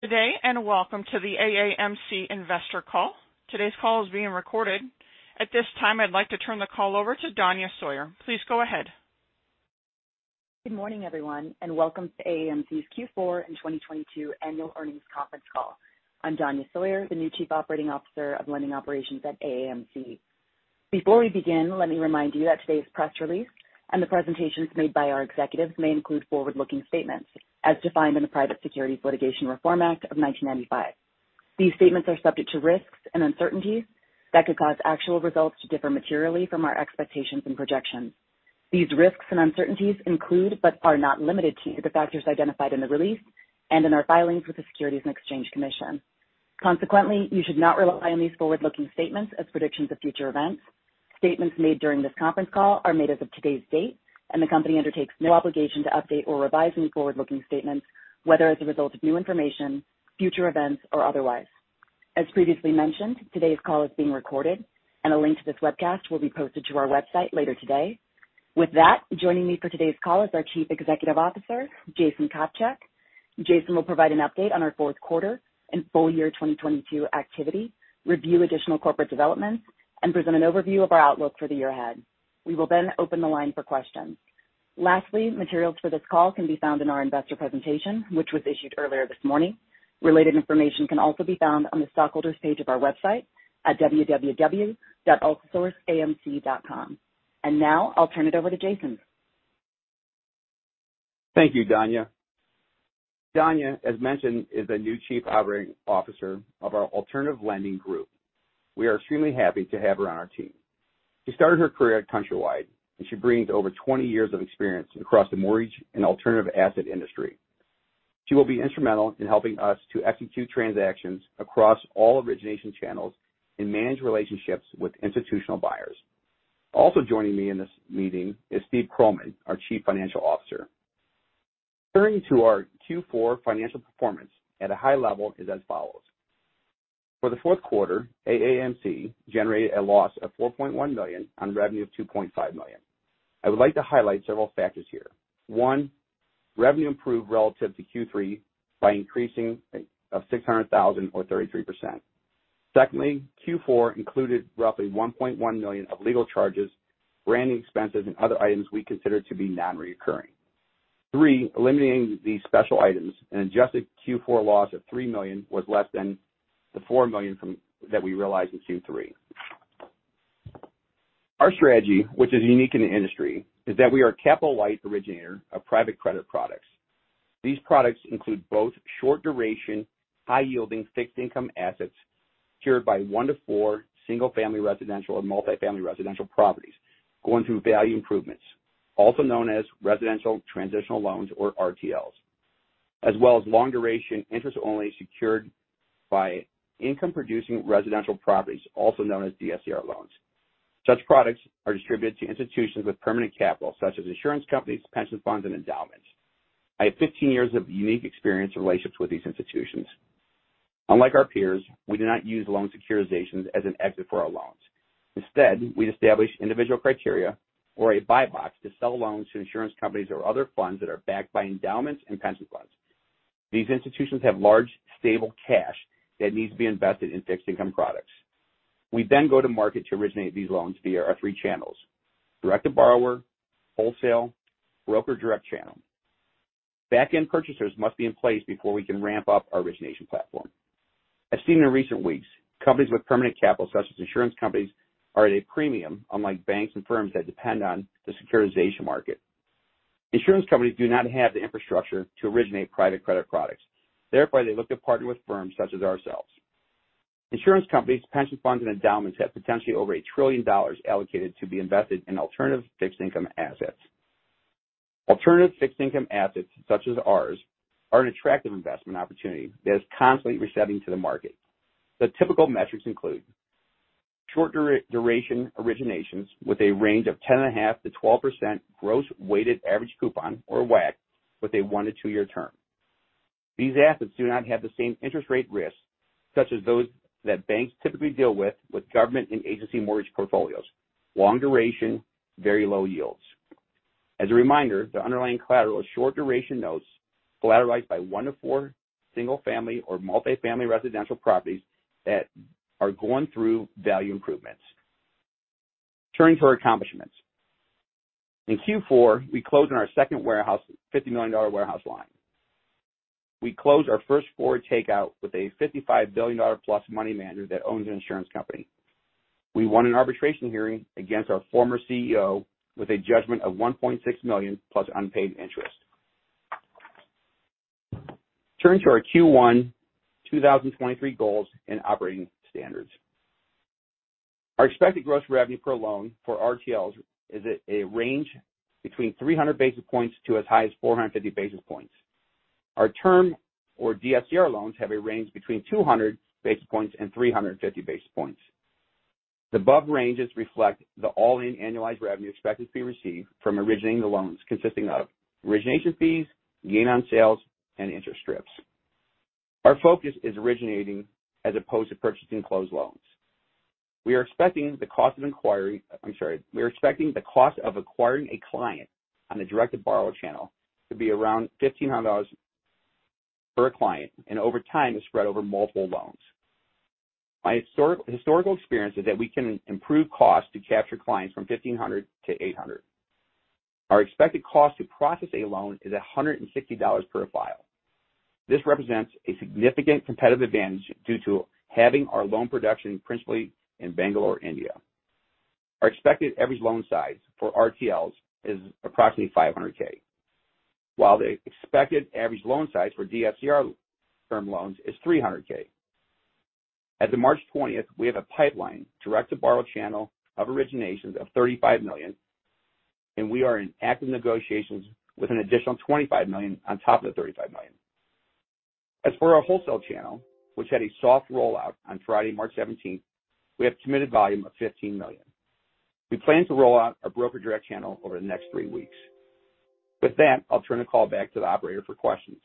Welcome to the AAMC investor call. Today's call is being recorded. At this time, I'd like to turn the call over to Danya Sawyer. Please go ahead. Good morning, everyone, and welcome to AAMC's Q4 and 2022 annual earnings conference call. I'm Danya Sawyer, the new Chief Operating Officer of Lending Operations at AAMC. Before we begin, let me remind you that today's press release and the presentations made by our executives may include forward-looking statements as defined in the Private Securities Litigation Reform Act of 1995. These statements are subject to risks and uncertainties that could cause actual results to differ materially from our expectations and projections. These risks and uncertainties include, but are not limited to, the factors identified in the release and in our filings with the Securities and Exchange Commission. Consequently, you should not rely on these forward-looking statements as predictions of future events. Statements made during this conference call are made as of today's date, and the company undertakes no obligation to update or revise any forward-looking statements, whether as a result of new information, future events, or otherwise. As previously mentioned, today's call is being recorded and a link to this webcast will be posted to our website later today. With that, joining me for today's call is our Chief Executive Officer, Jason Kopcak. Jason will provide an update on our fourth quarter and full year 2022 activity, review additional corporate developments, and present an overview of our outlook for the year ahead. We will then open the line for questions. Lastly, materials for this call can be found in our investor presentation, which was issued earlier this morning. Related information can also be found on the stockholders page of our website at www.altisourceamc.com. Now I'll turn it over to Jason. Thank you, Danya. Danya, as mentioned, is the new Chief Operating Officer of our alternative lending group. We are extremely happy to have her on our team. She started her career at Countrywide. She brings over 20 years of experience across the mortgage and alternative asset industry. She will be instrumental in helping us to execute transactions across all origination channels and manage relationships with institutional buyers. Also joining me in this meeting is Steve Krallman, our Chief Financial Officer. Turning to our Q4 financial performance at a high level is as follows. For the fourth quarter, AAMC generated a loss of $4.1 million on revenue of $2.5 million. I would like to highlight several factors here. One, revenue improved relative to Q3 by increasing $600,000 or 33%. Q4 included roughly $1.1 million of legal charges, branding expenses, and other items we consider to be non-recurring. Eliminating these special items, an adjusted Q4 loss of $3 million was less than the $4 million that we realized in Q3. Our strategy, which is unique in the industry, is that we are a capital-light originator of private credit products. These products include both short duration, high yielding fixed income assets secured by one to four single-family residential or multifamily residential properties going through value improvements, also known as residential transitional loans or RTLs. As well as long duration, interest-only secured by income-producing residential properties, also known as DSCR loans. Such products are distributed to institutions with permanent capital such as insurance companies, pension funds, and endowments. I have 15 years of unique experience and relationships with these institutions. Unlike our peers, we do not use loan securitizations as an exit for our loans. Instead, we establish individual criteria or a buy box to sell loans to insurance companies or other funds that are backed by endowments and pension funds. These institutions have large stable cash that needs to be invested in fixed income products. We go to market to originate these loans via our three channels, direct to borrower, wholesale, broker direct channel. Back-end purchasers must be in place before we can ramp up our origination platform. As seen in recent weeks, companies with permanent capital, such as insurance companies, are at a premium, unlike banks and firms that depend on the securitization market. Insurance companies do not have the infrastructure to originate private credit products. Therefore, they look to partner with firms such as ourselves. Insurance companies, pension funds, and endowments have potentially over $1 trillion allocated to be invested in alternative fixed income assets. Alternative fixed income assets, such as ours, are an attractive investment opportunity that is constantly resetting to the market. The typical metrics include short duration originations with a range of 10.5%-12% gross weighted average coupon or WAC with a 1-2-year term. These assets do not have the same interest rate risk, such as those that banks typically deal with government and agency mortgage portfolios, long duration, very low yields. As a reminder, the underlying collateral is short duration notes collateralized by 1-4 single-family or multi-family residential properties that are going through value improvements. Turning to our accomplishments. In Q4, we closed on our second warehouse, $50 million warehouse line. We closed our first forward takeout with a $55 billion+ money manager that owns an insurance company. We won an arbitration hearing against our former CEO with a judgment of $1.6 million+ unpaid interest. Turning to our Q1 2023 goals and operating standards. Our expected gross revenue per loan for RTLs is at a range between 300 basis points and 450 basis points. Our term or DSCR loans have a range between 200 basis points and 350 basis points. The above ranges reflect the all-in annualized revenue expected to be received from originating the loans consisting of origination fees, gain on sales, and interest strips. Our focus is originating as opposed to purchasing closed loans. We are expecting the cost of inquiry... I'm sorry. We are expecting the cost of acquiring a client on the direct to borrower channel to be around $1,500 per client, and over time to spread over multiple loans. My historical experience is that we can improve costs to capture clients from $1,500 to $800. Our expected cost to process a loan is $160 per file. This represents a significant competitive advantage due to having our loan production principally in Bangalore, India. Our expected average loan size for RTLs is approximately $500,000, while the expected average loan size for DSCR term loans is $300,000. As of March 20th, we have a pipeline direct to borrower channel of originations of $35 million, and we are in active negotiations with an additional $25 million on top of the $35 million. As for our wholesale channel, which had a soft rollout on Friday, March 17th, we have committed volume of $15 million. We plan to roll out our broker direct channel over the next three weeks. With that, I'll turn the call back to the operator for questions.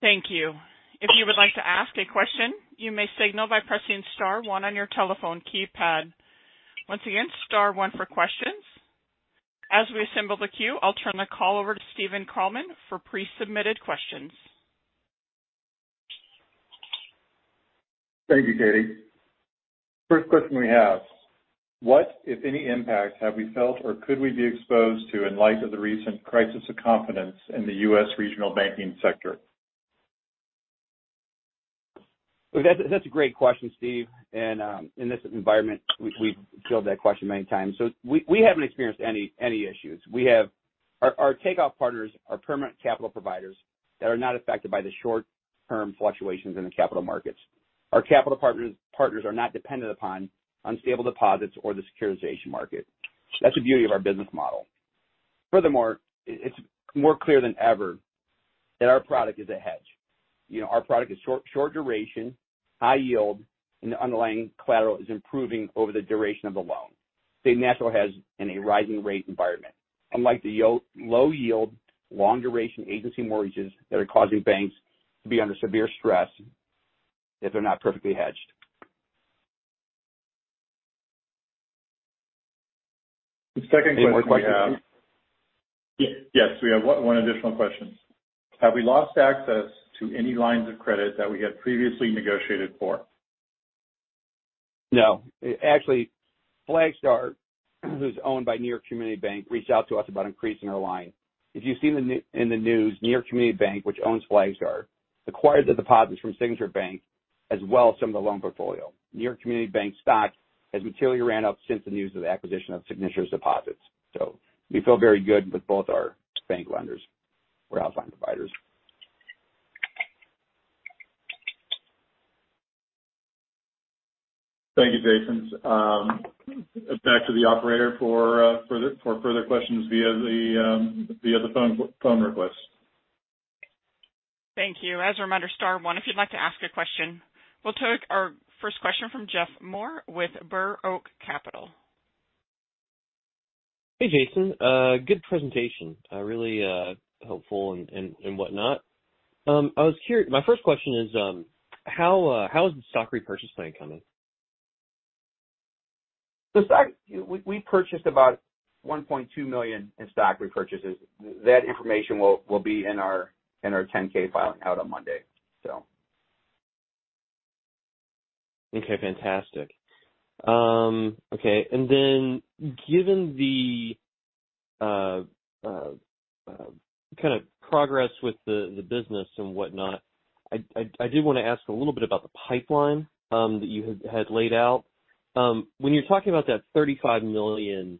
Thank you. If you would like to ask a question, you may signal by pressing star one on your telephone keypad. Once again, star one for questions. As we assemble the queue, I'll turn the call over to Stephen Krallman for pre-submitted questions. Thank you, Katie. First question we have: What, if any, impact have we felt or could we be exposed to in light of the recent crisis of confidence in the U.S. regional banking sector? That's a great question, Steve. In this environment, we've fielded that question many times. We haven't experienced any issues. Our takeoff partners are permanent capital providers that are not affected by the short-term fluctuations in the capital markets. Our capital partners are not dependent upon unstable deposits or the securitization market. That's the beauty of our business model. Furthermore, it's more clear than ever that our product is a hedge. You know, our product is short duration, high yield, and the underlying collateral is improving over the duration of the loan. Say, natural hedge in a rising rate environment. Unlike the low yield, long duration agency mortgages that are causing banks to be under severe stress if they're not perfectly hedged. The second question we have. Any more questions, Steve? Yes. We have one additional question. Have we lost access to any lines of credit that we had previously negotiated for? No. actually, Flagstar, who's owned by New York Community Bancorp, reached out to us about increasing our line. If you've seen in the news, New York Community Bancorp, which owns Flagstar, acquired the deposits from Signature Bank as well as some of the loan portfolio. New York Community Bancorp stock has materially ran up since the news of the acquisition of Signature's deposits. We feel very good with both our bank lenders or outline providers. Thank you, Jason. Back to the operator for further questions via the, via the phone request. Thank you. As a reminder, star one if you'd like to ask a question. We'll take our first question from Jeff Moore with Burr Oak Capital. Hey, Jason. good presentation. really, helpful and whatnot. My first question is, how is the stock repurchase plan coming? We purchased about $1.2 million in stock repurchases. That information will be in our 10-K filing out on Monday, so. Okay, fantastic. Okay. Then given the kind of progress with the business and whatnot, I did wanna ask a little bit about the pipeline that you had laid out. When you're talking about that $35 million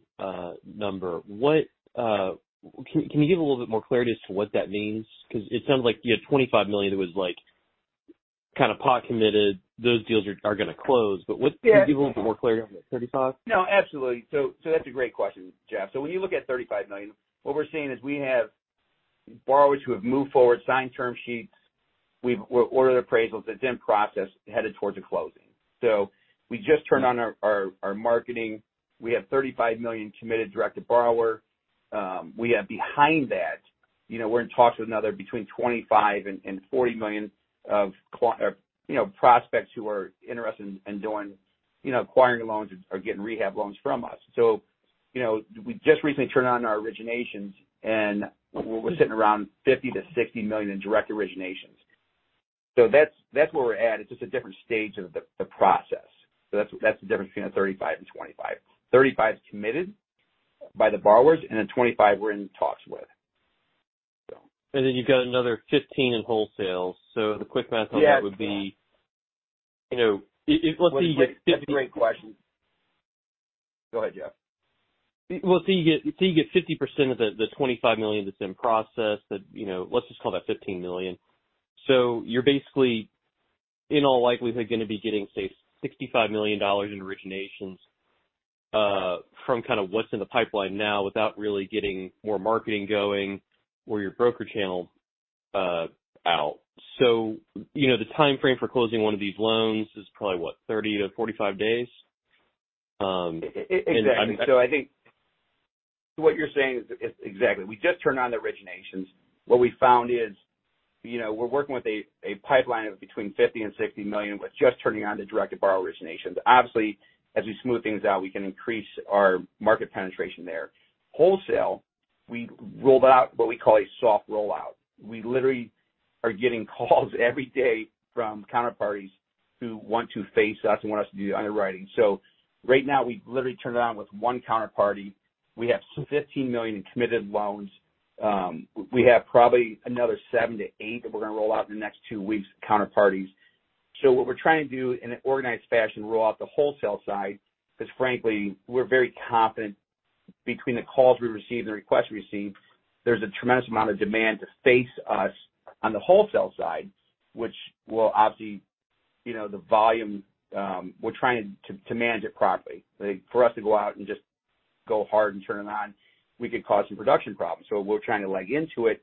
number, can you give a little bit more clarity as to what that means? Because it sounds like you had $25 million that was, like, kind of pot committed. Those deals are gonna close. Yeah. Can you give a little bit more clarity on the 35? Absolutely. That's a great question, Jeff. When you look at $35 million, what we're seeing is we have borrowers who have moved forward, signed term sheets. We've ordered appraisals that's in process, headed towards a closing. We just turned on our marketing. We have $35 million committed direct to borrower. We have behind that, you know, we're in talks with another between $25 million and $40 million or, you know, prospects who are interested in doing, you know, acquiring loans or getting rehab loans from us. You know, we just recently turned on our originations, and we're sitting around $50 million-$60 million in direct originations. That's where we're at. It's just a different stage of the process. That's the difference between the $35 million and $25 million. 35's committed by the borrowers, and the 25 we're in talks with. You've got another 15 in wholesale. The quick math on that. Yeah. Would be, you know, if let's say you get 50- That's a great question. Go ahead, Jeff. Well, say you get 50% of the $25 million that's in process that, you know, let's just call that $15 million. You're basically in all likelihood gonna be getting, say, $65 million in originations, from kind of what's in the pipeline now without really getting more marketing going or your broker channel, out. You know, the timeframe for closing one of these loans is probably what, 30-45 days? Exactly. What you're saying is, exactly. We just turned on the originations. What we found is, you know, we're working with a pipeline of between $50 million and $60 million with just turning on the direct-to-borrower originations. Obviously, as we smooth things out, we can increase our market penetration there. Wholesale, we rolled out what we call a soft rollout. We literally are getting calls every day from counterparties who want to face us and want us to do the underwriting. Right now, we literally turned it on with one counterparty. We have $15 million in committed loans. We have probably another 7-8 that we're gonna roll out in the next two weeks, counterparties. What we're trying to do in an organized fashion, roll out the wholesale side, because frankly, we're very confident between the calls we receive and the requests we receive, there's a tremendous amount of demand to face us on the wholesale side, which will obviously. You know, the volume, we're trying to manage it properly. Like, for us to go out and just go hard and turn it on, we could cause some production problems. We're trying to leg into it.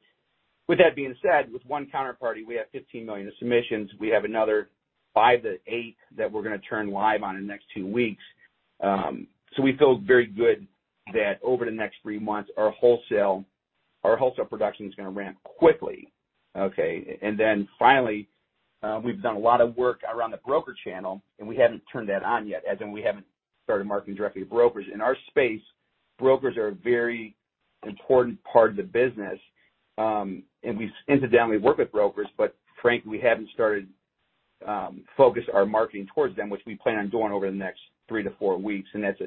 With that being said, with one counterparty, we have $15 million of submissions. We have another five to eight that we're gonna turn live on in the next two weeks. We feel very good that over the next three months, our wholesale production is gonna ramp quickly. Okay. Then finally, we've done a lot of work around the broker channel, and we haven't turned that on yet, as in we haven't started marketing directly to brokers. In our space, brokers are a very important part of the business, and we've incidentally work with brokers, but frankly, we haven't started, focus our marketing towards them, which we plan on doing over the next 3-4 weeks. That's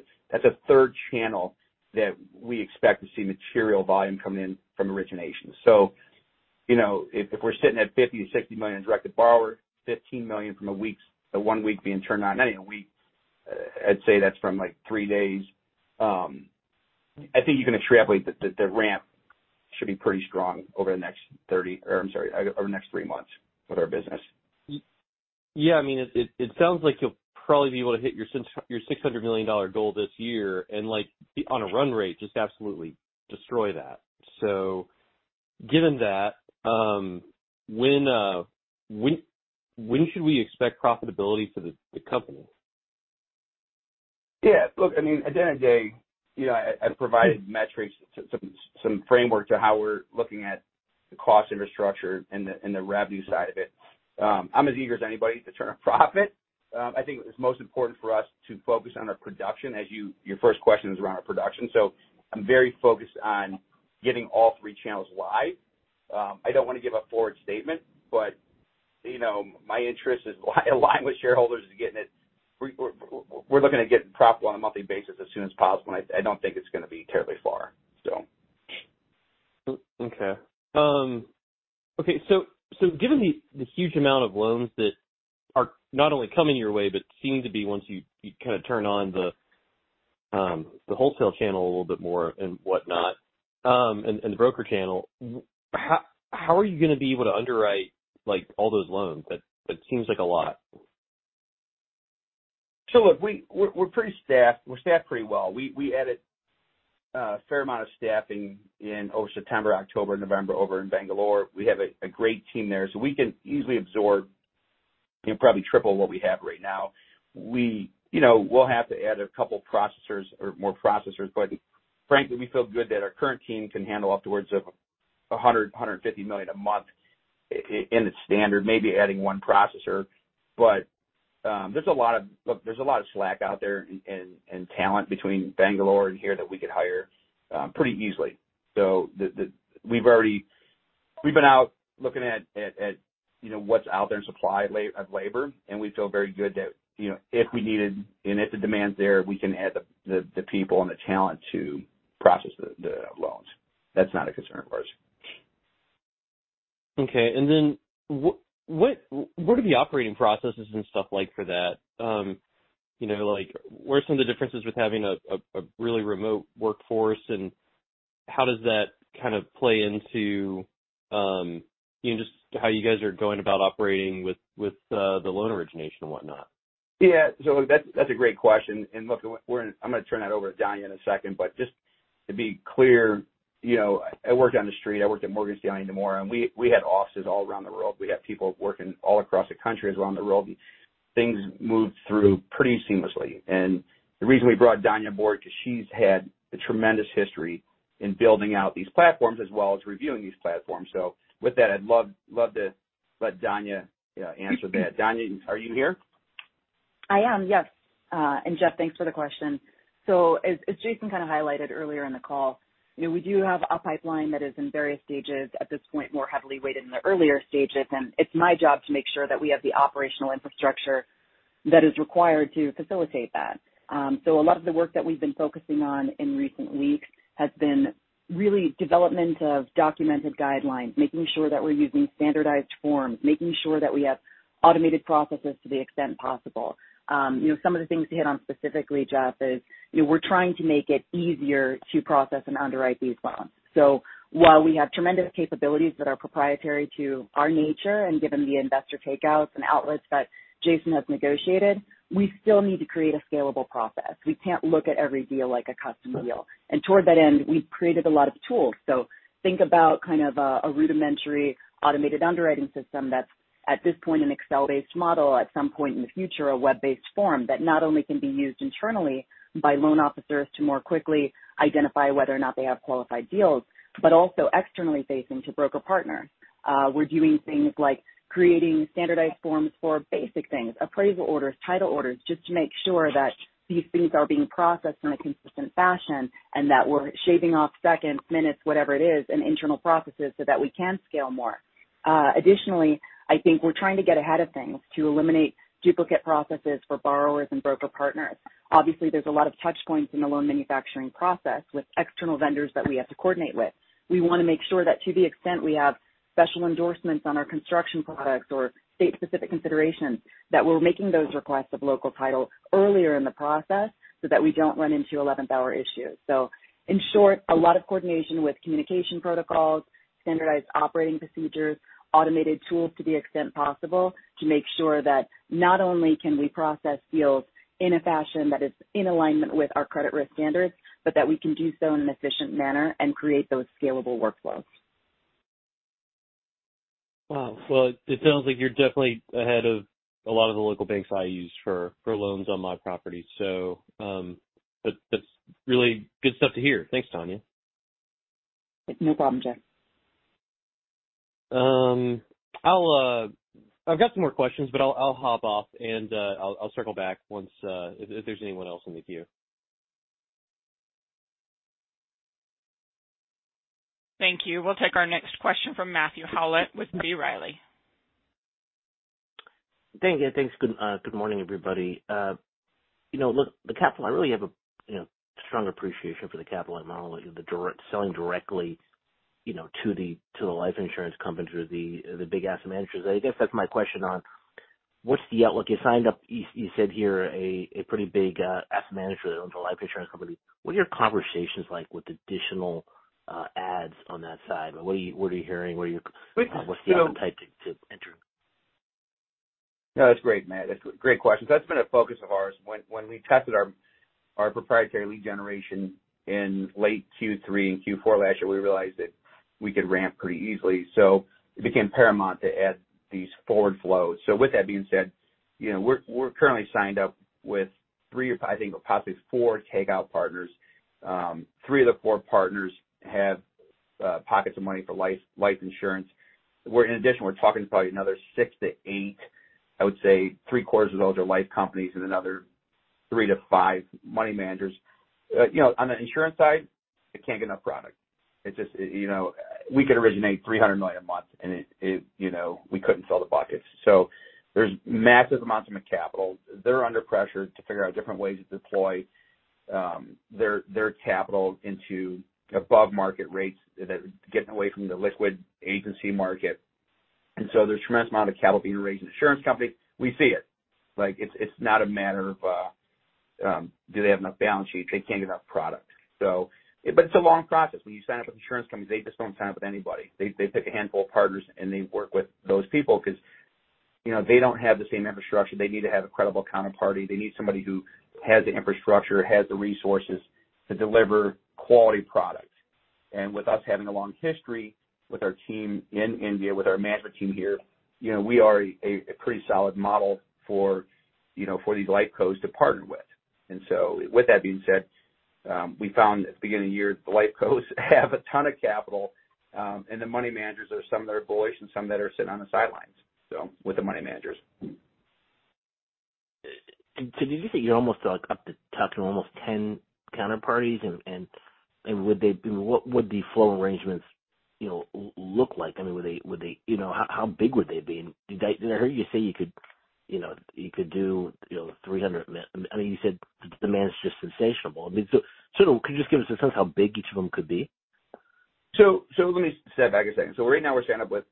a third channel that we expect to see material volume coming in from origination. You know, if we're sitting at $50 million-$60 million in directed borrower, $15 million from a one week being turned on, not even a week, I'd say that's from like three days. I think you can extrapolate that the ramp should be pretty strong over the next 30... I'm sorry, over the next three months with our business. Yeah, I mean, it sounds like you'll probably be able to hit your $600 million goal this year and like be on a run rate, just absolutely destroy that. Given that, when should we expect profitability for the company? Yeah. Look, I mean, at the end of the day, you know, I provided metrics, some framework to how we're looking at the cost infrastructure and the, and the revenue side of it. I'm as eager as anybody to turn a profit. I think it's most important for us to focus on our production as your first question was around our production. I'm very focused on getting all three channels live. I don't wanna give a forward statement, but, you know, my interest is aligned with shareholders to getting it... We're looking to get profitable on a monthly basis as soon as possible, and I don't think it's gonna be terribly far, so. Okay, given the huge amount of loans that are not only coming your way but seem to be once you kinda turn on the wholesale channel a little bit more and whatnot, and the broker channel, how are you gonna be able to underwrite like all those loans? That seems like a lot. Look, we're pretty staffed. We're staffed pretty well. We added a fair amount of staffing in over September, October, November over in Bangalore. We have a great team there. We can easily absorb, you know, probably triple what we have right now. You know, we'll have to add a couple processors or more processors, but frankly, we feel good that our current team can handle upwards of $150 million a month in its standard, maybe adding one processor. Look, there's a lot of slack out there and talent between Bangalore and here that we could hire pretty easily. We've been out looking at, you know, what's out there in supply of labor, we feel very good that, you know, if we needed and if the demand's there, we can add the people and the talent to process the loans. That's not a concern of ours. Okay. What are the operating processes and stuff like for that? you know, like what are some of the differences with having a really remote workforce, and how does that kind of play into, you know, just how you guys are going about operating with the loan origination and whatnot? Yeah. That's a great question. Look, I'm gonna turn that over to Danya in a second. Just to be clear, you know, I worked on the Street. I worked at Mortgage deadline tomorrow, and we had offices all around the world. We had people working all across the country as well in the world. Things moved through pretty seamlessly. The reason we brought Danya aboard, 'cause she's had a tremendous history in building out these platforms as well as reviewing these platforms. With that, I'd love to let Danya answer that. Danya, are you here? I am, yes. Jeff, thanks for the question. As Jason kind of highlighted earlier in the call, you know, we do have a pipeline that is in various stages, at this point, more heavily weighted in the earlier stages, and it's my job to make sure that we have the operational infrastructure that is required to facilitate that. A lot of the work that we've been focusing on in recent weeks has been really development of documented guidelines, making sure that we're using standardized forms, making sure that we have automated processes to the extent possible. You know, some of the things to hit on specifically, Jeff, is, you know, we're trying to make it easier to process and underwrite these loans. While we have tremendous capabilities that are proprietary to our nature and given the investor takeouts and outlets that Jason has negotiated, we still need to create a scalable process. We can't look at every deal like a custom deal. Toward that end, we've created a lot of tools. Think about kind of a rudimentary automated underwriting system. At this point, an Excel-based model, at some point in the future, a web-based form that not only can be used internally by loan officers to more quickly identify whether or not they have qualified deals, but also externally facing to broker partners. We're doing things like creating standardized forms for basic things, appraisal orders, title orders, just to make sure that these things are being processed in a consistent fashion and that we're shaving off seconds, minutes, whatever it is, in internal processes so that we can scale more. Additionally, I think we're trying to get ahead of things to eliminate duplicate processes for borrowers and broker partners. Obviously, there's a lot of touch points in the loan manufacturing process with external vendors that we have to coordinate with. We wanna make sure that to the extent we have special endorsements on our construction products or state-specific considerations, that we're making those requests of local title earlier in the process so that we don't run into eleventh-hour issues. In short, a lot of coordination with communication protocols, standardized operating procedures, automated tools to the extent possible to make sure that not only can we process deals in a fashion that is in alignment with our credit risk standards, but that we can do so in an efficient manner and create those scalable workflows. Wow. Well, it sounds like you're definitely ahead of a lot of the local banks I use for loans on my property. that's really good stuff to hear. Thanks, Danya. No problem, Jeff. I've got some more questions, but I'll hop off and, I'll circle back once, if there's anyone else in the queue. Thank you. We'll take our next question from Matthew Howlett with B. Riley. Thank you. Thanks. Good morning, everybody. You know, look, the capital, I really have a, you know, strong appreciation for the capital model, selling directly, you know, to the, to the life insurance companies or the big asset managers. I guess that's my question on what's the outlook? You signed up, you said here a pretty big asset manager that owns a life insurance company. What are your conversations like with additional adds on that side? What are you hearing? What are your- We, so- What's the appetite to enter? No, that's great, Matt. That's a great question. That's been a focus of ours. When we tested our proprietary lead generation in late Q3 and Q4 last year, we realized that we could ramp pretty easily. It became paramount to add these forward flows. With that being said, you know, we're currently signed up with three or I think possibly four takeout partners. three of the four partners have pockets of money for life insurance. In addition, we're talking to probably another 6-8. I would say three-quarters of those are life companies and another 3-5 money managers. You know, on the insurance side, they can't get enough product. It's just, you know... We could originate $300 million a month and it, you know, we couldn't fill the buckets. There's massive amounts of capital. They're under pressure to figure out different ways to deploy their capital into above market rates, getting away from the liquid agency market. There's tremendous amount of capital being raised in insurance companies. We see it. Like, it's not a matter of, do they have enough balance sheets. They can't get enough product. It's a long process. When you sign up with insurance companies, they just don't sign up with anybody. They pick a handful of partners, and they work with those people because, you know, they don't have the same infrastructure. They need to have a credible counterparty. They need somebody who has the infrastructure, has the resources to deliver quality products. With us having a long history with our team in India, with our management team here, you know, we are a pretty solid model for, you know, for these life cos to partner with. With that being said, we found at the beginning of the year, the life cos have a ton of capital, and the money managers are some that are bullish and some that are sitting on the sidelines. With the money managers. Did you say you're almost, like, up to talking to almost 10 counterparties and would they what would the flow arrangements, you know, look like? I mean, would they You know, how big would they be? Did I hear you say you could, you know, you could do, you know, $300 million? I mean, you said the demand's just sensational. I mean, so could you just give us a sense how big each of them could be? Let me step back a second. Right now we're signed up with,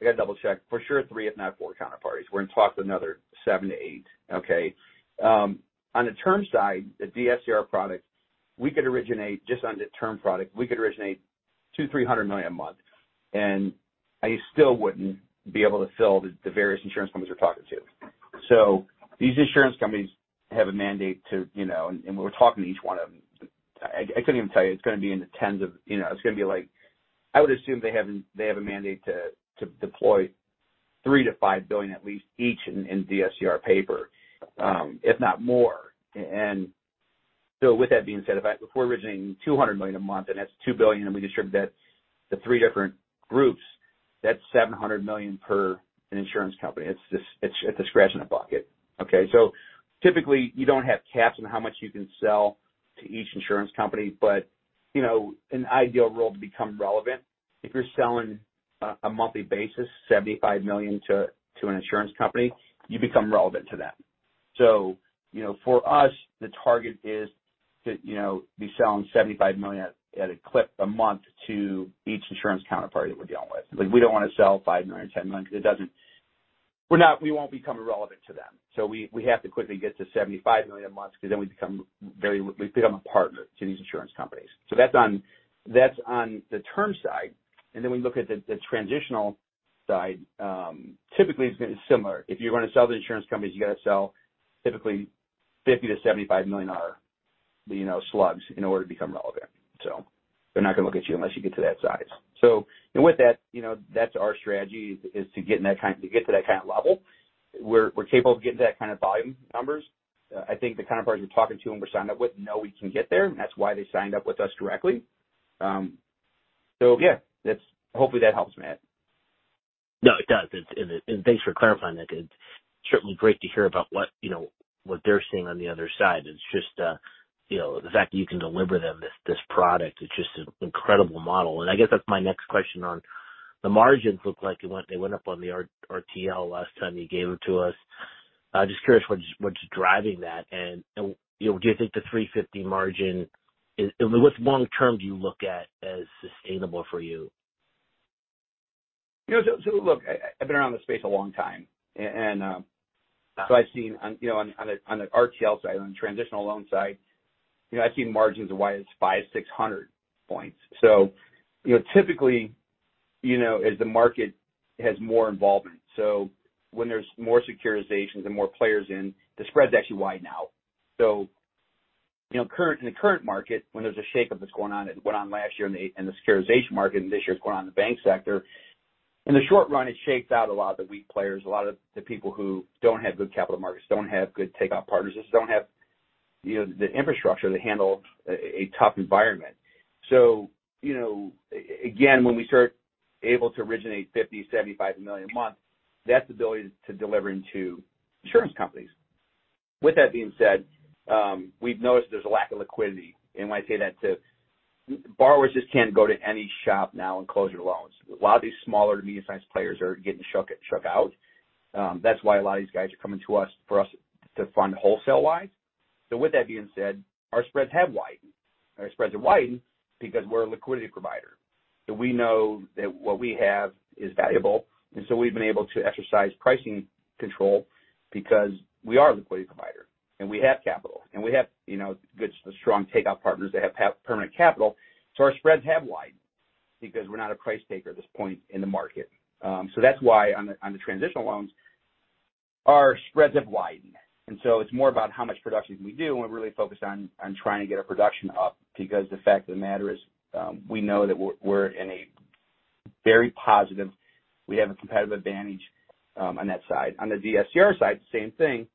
I gotta double-check, for sure three if not four counterparties. We're in talks with another 7-8. Okay? On the term side, the DSCR product, we could originate just on the term product, we could originate $200 million-$300 million a month, and I still wouldn't be able to fill the various insurance companies we're talking to. These insurance companies have a mandate to, you know... We're talking to each one of them. I couldn't even tell you. It's gonna be in the tens of... You know, it's gonna be like... I would assume they have a mandate to deploy $3-$5 billion at least each in DSCR paper, if not more. With that being said, if we're originating $200 million a month and that's $2 billion and we distribute that to three different groups, that's $700 million per an insurance company. It's just, it's a scratch in the bucket. Okay? Typically you don't have caps on how much you can sell to each insurance company. You know, an ideal world to become relevant, if you're selling a monthly basis, $75 million to an insurance company, you become relevant to them. You know, for us, the target is to, you know, be selling $75 million at a clip a month to each insurance counterparty that we're dealing with. Like, we don't wanna sell $5 million or $10 million because it doesn't... We won't become irrelevant to them. We have to quickly get to $75 million a month because then we become a partner to these insurance companies. That's on the term side. We look at the transitional side. Typically it's gonna be similar. If you're gonna sell to insurance companies, you gotta sell typically $50 million-$75 million, you know, slugs in order to become relevant. They're not gonna look at you unless you get to that size. With that, you know, that's our strategy is to get to that kind of level. We're capable of getting to that kind of volume numbers. I think the counterparties we're talking to and we're signed up with know we can get there. That's why they signed up with us directly. Yeah, that's... Hopefully, that helps, Matt. No, it does. Thanks for clarifying that. It's certainly great to hear about what, you know, what they're seeing on the other side. It's just, you know, the fact that you can deliver them this product is just an incredible model. I guess that's my next question on. The margins look like they went up on the RTL last time you gave them to us. I'm just curious what is driving that. You know, do you think the 350 margin is? I mean, what's long term do you look at as sustainable for you? You know, look, I've been around this space a long time. And I've seen on, you know, on the RTL side, on the transitional loan side, you know, I've seen margins as wide as 500, 600 points. You know, typically, you know, as the market has more involvement. When there's more securitizations and more players in, the spreads actually widen out. You know, in the current market, when there's a shakeup that's going on, that went on last year in the securitization market, and this year it's going on in the bank sector. In the short run, it shakes out a lot of the weak players, a lot of the people who don't have good capital markets, don't have good takeout partners, just don't have, you know, the infrastructure to handle a tough environment. You know, again, when we start able to originate $50 million, $75 million a month, that's the ability to deliver into insurance companies. With that being said, we've noticed there's a lack of liquidity. When I say that to. Borrowers just can't go to any shop now and close their loans. A lot of these smaller to medium-sized players are getting shook out. That's why a lot of these guys are coming to us for us to fund wholesale-wise. With that being said, our spreads have widened. Our spreads have widened because we're a liquidity provider. We know that what we have is valuable. We've been able to exercise pricing control because we are a liquidity provider, and we have capital, and we have, you know, good, strong takeout partners that have permanent capital. Our spreads have widened because we're not a price taker at this point in the market. That's why on the, on the transitional loans, our spreads have widened. It's more about how much production can we do, and we're really focused on trying to get our production up because the fact of the matter is, we know that we're in a very positive. We have a competitive advantage on that side. On the DSCR side, same thing.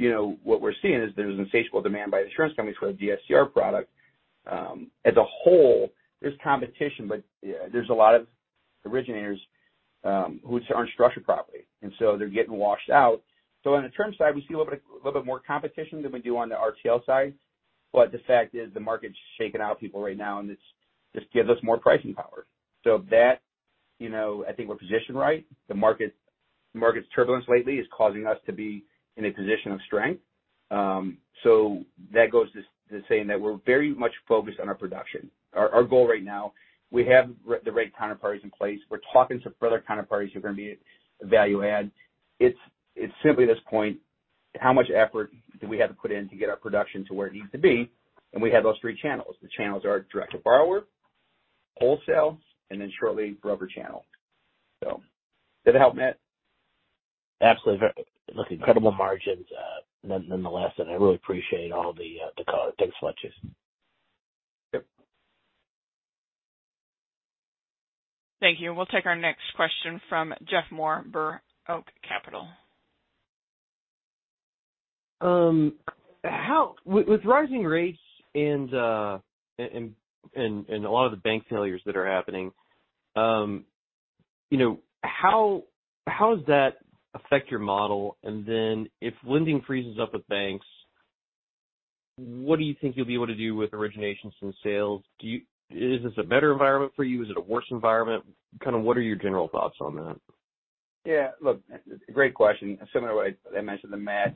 You know, what we're seeing is there's insatiable demand by insurance companies for the DSCR product. As a whole, there's competition, but there's a lot of originators who just aren't structured properly, and so they're getting washed out. On the term side, we see a little bit more competition than we do on the RTL side. The fact is the market's shaking out people right now, and it's just gives us more pricing power. You know, I think we're positioned right. The market's turbulence lately is causing us to be in a position of strength. That goes to saying that we're very much focused on our production. Our goal right now, we have the right counterparties in place. We're talking to further counterparties who are gonna be a value add. It's simply this point, how much effort do we have to put in to get our production to where it needs to be? We have those three channels. The channels are direct to borrower, wholesale, and then shortly, broker channel. Did it help, Matt? Absolutely. Look, incredible margins, nonetheless, I really appreciate all the color. Thanks a lot, Jason. Yep. Thank you. We'll take our next question from Jeff Moore, Burr Oak Capital. How with rising rates and a lot of the bank failures that are happening, you know, how does that affect your model? If lending freezes up with banks, what do you think you'll be able to do with originations and sales? Is this a better environment for you? Is it a worse environment? Kind of what are your general thoughts on that? Yeah. Look, great question. Similar to what I mentioned to Matt.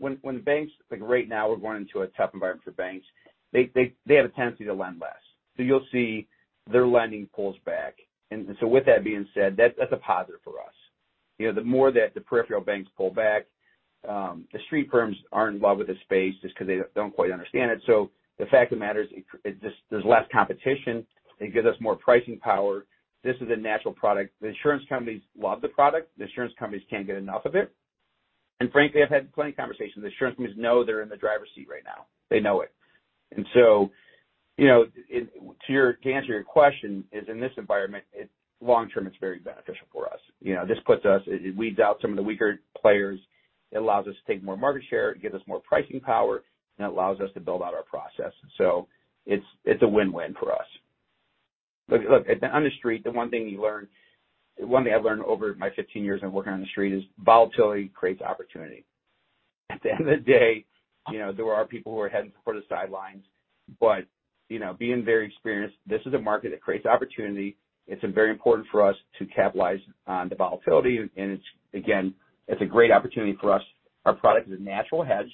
When banks, right now, we're going into a tough environment for banks. They have a tendency to lend less. You'll see their lending pulls back. With that being said, that's a positive for us. You know, the more that the peripheral banks pull back, the street firms aren't in love with the space just 'cause they don't quite understand it. The fact of the matter is it just, there's less competition. It gives us more pricing power. This is a natural product. The insurance companies love the product. The insurance companies can't get enough of it. Frankly, I've had plenty of conversations. The insurance companies know they're in the driver's seat right now. They know it. You know, to your, to answer your question, is in this environment, it's long term, it's very beneficial for us. You know, this puts us... It weeds out some of the weaker players, it allows us to take more market share, it gives us more pricing power, and it allows us to build out our process. It's a win-win for us. Look, on the street, the one thing you learn, one thing I've learned over my 15 years of working on the street is volatility creates opportunity. At the end of the day, you know, there are people who are heading for the sidelines. You know, being very experienced, this is a market that creates opportunity. It's very important for us to capitalize on the volatility. It's again a great opportunity for us. Our product is a natural hedge.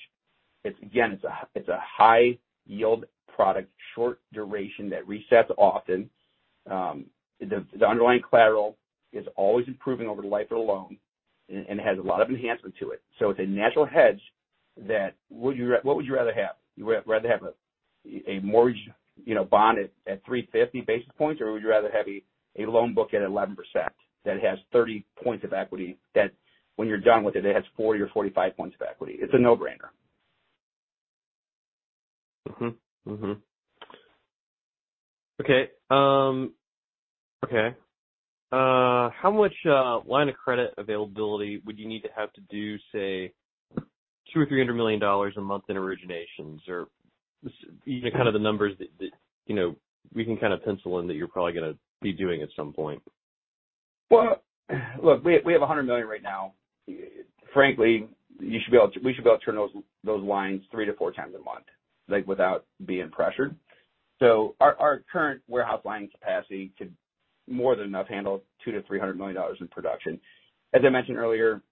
It's again a high yield product, short duration that resets often. The underlying collateral is always improving over the life of the loan and it has a lot of enhancement to it. It's a natural hedge that. What would you rather have? You rather have a mortgage, you know, bond at 350 basis points, or would you rather have a loan book at 11% that has 30 points of equity that when you're done with it has 40 or 45 points of equity? It's a no-brainer. Okay, okay. How much line of credit availability would you need to have to do, say, $200 million or $300 million a month in originations or even kind of the numbers that, you know, we can kind of pencil in that you're probably gonna be doing at some point? Look, we have $100 million right now. Frankly, we should be able to turn those lines 3-4 times a month, like, without being pressured. Our current warehouse line capacity could more than enough handle $200-$300 million in production. As I mentioned earlier,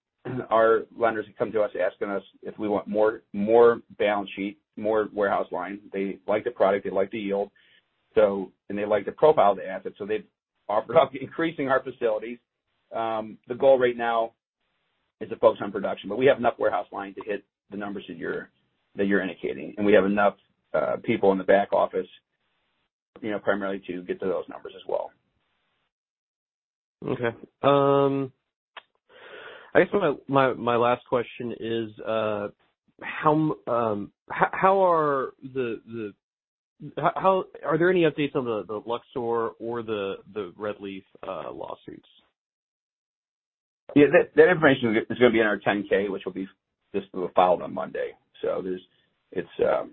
our lenders have come to us asking us if we want more balance sheet, more warehouse line. They like the product. They like the yield. They like the profile of the asset, so they've offered up increasing our facilities. The goal right now is to focus on production. We have enough warehouse line to hit the numbers that you're indicating, and we have enough people in the back office, you know, primarily to get to those numbers as well. Okay. I guess my last question is, Are there any updates on the Luxor or the Redleaf lawsuits? Yeah, that information is gonna be in our 10-K, which will be just filed on Monday. It's,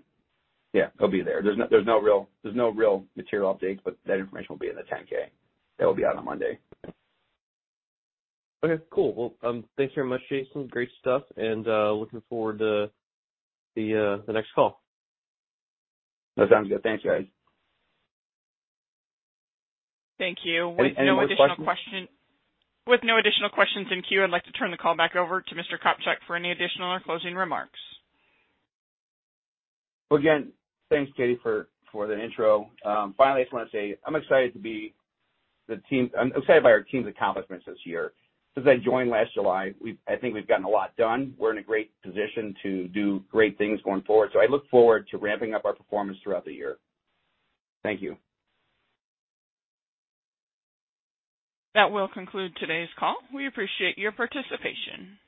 yeah, it'll be there. There's no real material update, that information will be in the 10-K. That will be out on Monday. Okay, cool. Well, thank you very much, Jason. Great stuff, and, looking forward to the next call. No, sounds good. Thanks, guys. Thank you. Any more questions? With no additional questions in queue, I'd like to turn the call back over to Mr. Kopcak for any additional or closing remarks. Well, again, thanks, Katie, for the intro. finally, I just wanna say I'm excited by our team's accomplishments this year. Since I joined last July, I think we've gotten a lot done. We're in a great position to do great things going forward. I look forward to ramping up our performance throughout the year. Thank you. That will conclude today's call. We appreciate your participation.